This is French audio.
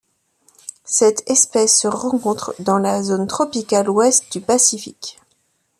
Cette espèce se rencontre dans la zone tropicale ouest du Pacifique.